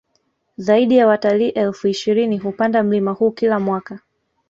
Zaidi ya watalii elfu ishirini hupanda mlima huu kila mwaka